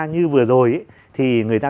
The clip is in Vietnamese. như vừa rồi thì người ta